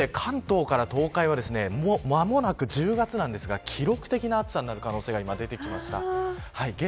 一方で、関東から東海は間もなく１０月なんですが記録的な暑さになる可能性が今、出てきました。